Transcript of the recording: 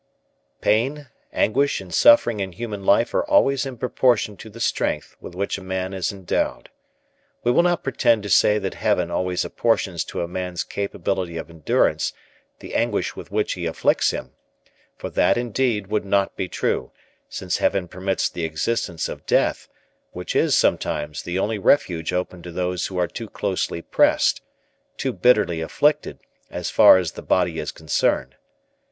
Pain, anguish, and suffering in human life are always in proportion to the strength with which a man is endowed. We will not pretend to say that Heaven always apportions to a man's capability of endurance the anguish with which he afflicts him; for that, indeed, would not be true, since Heaven permits the existence of death, which is, sometimes, the only refuge open to those who are too closely pressed too bitterly afflicted, as far as the body is concerned.